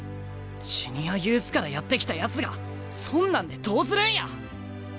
ジュニアユースからやって来たやつがそんなんでどうするんや！